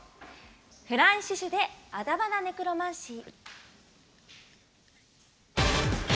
フランシュシュで「徒花ネクロマンシー」。